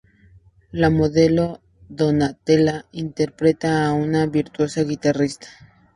La modelo Donatella, interpreta a una virtuosa guitarrista.